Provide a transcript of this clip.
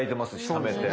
ためて。